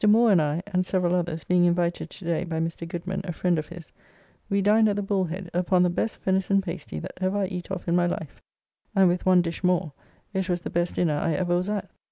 Moore and I and several others being invited to day by Mr. Goodman, a friend of his, we dined at the Bullhead upon the best venison pasty that ever I eat of in my life, and with one dish more, it was the best dinner I ever was at.